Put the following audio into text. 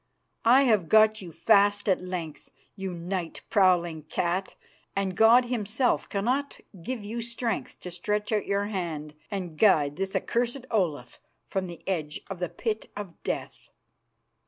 'I have got you fast at length, you night prowling cat, and God Himself cannot give you strength to stretch out your hand and guide this accursed Olaf from the edge of the Pit of Death.